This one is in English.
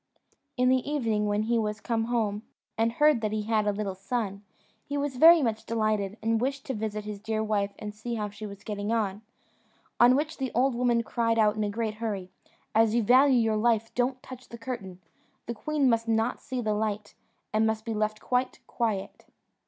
In the evening, when he was come home, and heard that he had a little son, he was very much delighted, and wished to visit his dear wife and see how she was getting on; on which the old woman cried out in a great hurry, "As you value your life, don't touch the curtain; the queen must not see the light, and must be left quite quiet."